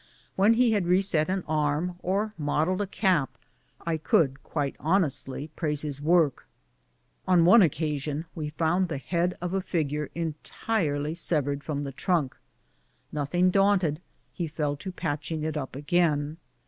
When he had reset an arm or modelled a cap I could quite honestly praise his work. On one occasion we found the head of a figure en tirely severed from the trunk. Nothing daunted, he fell to patching it up again.